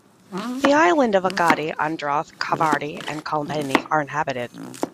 The islands of Agatti, Androth, Kavaratti and Kalpeni are inhabited.